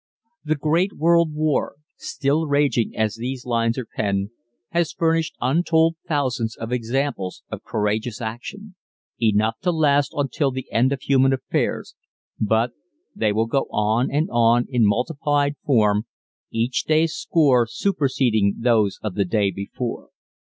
The great world war, still raging as these lines are penned, has furnished untold thousands of examples of courageous action enough to last until the end of human affairs, but they will go on and on in multiplied form, each day's score superseding those of the day before.